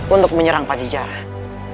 untuk menyerang pada jaran